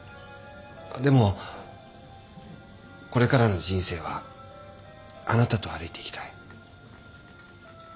でもこれからの人生はあなたと歩いていきたい。